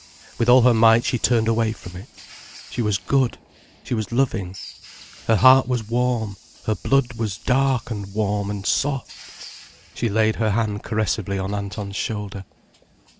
With all her might she turned away from it. She was good, she was loving. Her heart was warm, her blood was dark and warm and soft. She laid her hand caressively on Anton's shoulder.